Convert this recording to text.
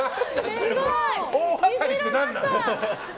すごい。